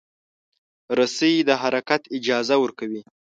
رسۍ د حرکت اجازه ورکوي.